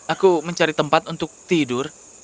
aku mencari tempat untuk tidur